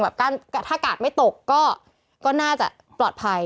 ถ้ากาดไม่ตกก็น่าจะปลอดภัย